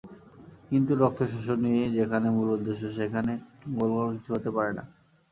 কিন্তু রক্তশোষণই যেখানে মূল উদ্দেশ্য, সেখানে মঙ্গলকর কিছু হতে পারে না।